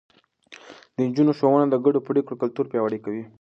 د نجونو ښوونه د ګډو پرېکړو کلتور پياوړی کوي.